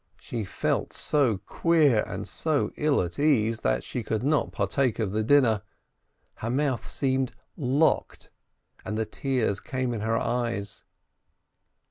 102 SPEKTOR She felt so queer and so ill at ease that she could not partake of the dinner, her mouth seemed locked, and the tears came in her eyes.